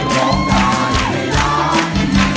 ร้องได้ให้ล้าน